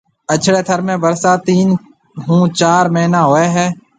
اڇڙو ٿر ۾ ڀرسات تين کان چار مھيَََنا ھوئيَ ھيََََ